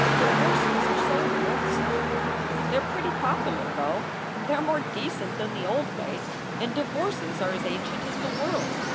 Divorces are so loath some." "They re pretty popular, though. They re more decent than the old way and divorces are as ancient as the world.